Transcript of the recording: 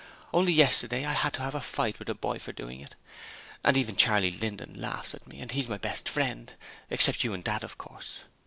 Only yesterday I had to have a fight with a boy for doing it: and even Charley Linden laughs at me, and he's my best friend except you and Dad of course.